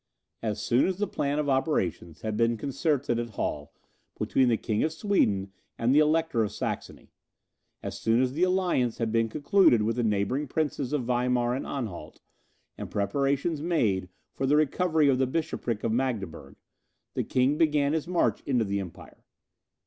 As soon as the plan of operations had been concerted at Halle, between the King of Sweden and the Elector of Saxony; as soon as the alliance had been concluded with the neighbouring princes of Weimar and Anhalt, and preparations made for the recovery of the bishopric of Magdeburg, the king began his march into the empire.